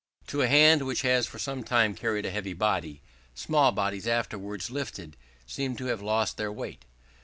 To a hand which has for some time carried a heavy body, small bodies afterwards lifted seem to have lost their weight.